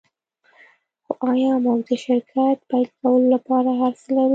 خو ایا موږ د شرکت پیل کولو لپاره هرڅه لرو